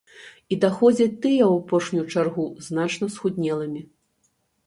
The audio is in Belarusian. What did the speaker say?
І даходзяць тыя ў апошнюю чаргу, значна схуднелымі.